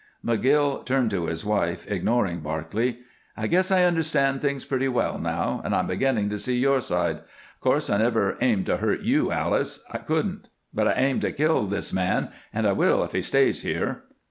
McGill turned to his wife, ignoring Barclay. "I guess I understand things pretty well now, and I'm beginning to see your side. Of course I never aimed to hurt you, Alice I couldn't; but I aimed to kill this man, and I will if he stays here."